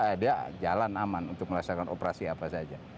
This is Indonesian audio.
eh dia jalan aman untuk melaksanakan operasi apa saja